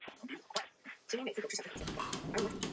加速医疗院所工程